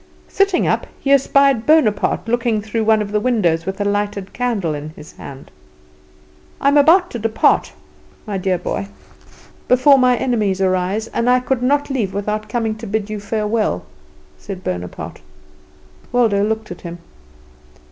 Sitting up, he espied Bonaparte looking through one of the windows with a lighted candle in his hand. "I'm about to depart, my dear boy, before my enemies arise, and I could not leave without coming to bid you farewell," said Bonaparte. Waldo looked at him.